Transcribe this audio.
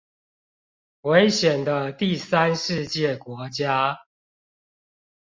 危險的第三世界國家